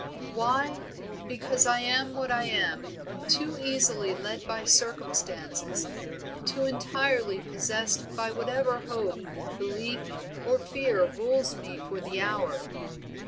"Why? because I am what I am, too easily led by circumstances, too entirely possessed by whatever hope, belief, or fear rules me for the hour.